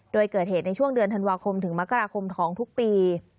โดยเกิดเหตุในช่วงเดือนธันวาคมถึงมกราคมของทุกปี